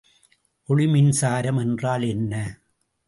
ஒளிமின்சாரம் என்றால் என்ன?